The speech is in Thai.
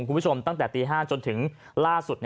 คุณผู้ชมตั้งแต่ตี๕จนถึงล่าสุด